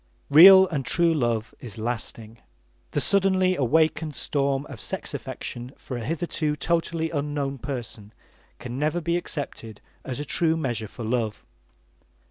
Real and true love is lasting. The suddenly awakened storm of sex affection for a hitherto totally unknown person can never be accepted as a true measure for love.